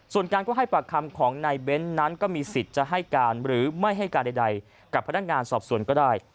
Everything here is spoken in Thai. ส่วนการก็ให้ปากคำของนายเบ้นนั้นก็มีสิทธิ์จะให้การหรือไม่ให้การใดกับพนักงานสอบสวนก็ได้